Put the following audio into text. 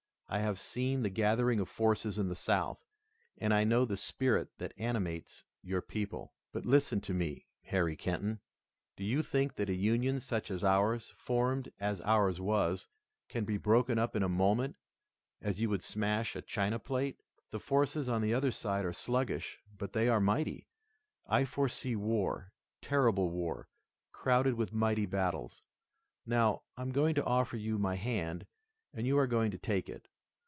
I have seen the gathering of forces in the South, and I know the spirit that animates your people, but listen to me, Harry Kenton, do you think that a Union such as ours, formed as ours was, can be broken up in a moment, as you would smash a china plate? The forces on the other side are sluggish, but they are mighty. I foresee war, terrible war, crowded with mighty battles. Now, I'm going to offer you my hand and you are going to take it.